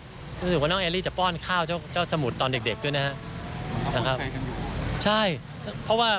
รู้สึกว่าน้องแอลลี่จะป้อนข้าวเจ้าสมุดตอนเด็กด้วยนะครับ